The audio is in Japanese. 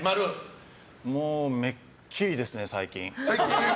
もうめっきりですね、最近。